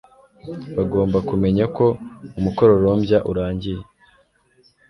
bagomba kumenya ko umukororombya urangiye